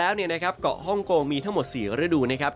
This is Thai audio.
เมื่อเกียร์แล้วเกาะฮ่องโกงมีทั้งหมด๔ฤดู